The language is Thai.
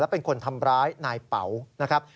เป็นคนทำร้ายนายเป๋านะครับ